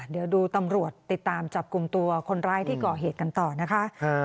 เดี๋ยวดูตำรวจติดตามจับกลุ่มตัวคนร้ายที่ก่อเหตุกันต่อนะคะ